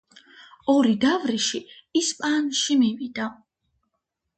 ორი დავრიში ისპაანში მივიდა.